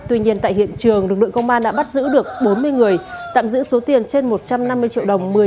tuy nhiên tại hiện trường lực lượng công an đã bắt giữ được bốn mươi người tạm giữ số tiền trên một trăm năm mươi triệu đồng